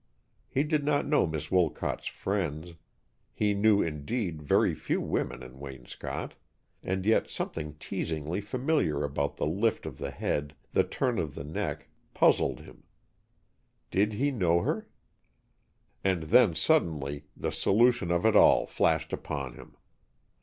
He did not know Miss Wolcott's friends, he knew, indeed, very few women in Waynscott, and yet something teasingly familiar about the lift of the head, the turn of the neck, puzzled him. Did he know her? And then suddenly, the solution of it all flashed upon him.